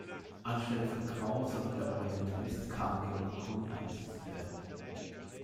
Anstelle von Grau sollte der Orientalist Karl Georg Kuhn eingesetzt werden.